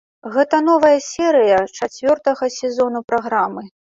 Гэта новая серыя чацвёртага сезону праграмы.